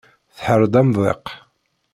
Tḥerr-d amḍiq.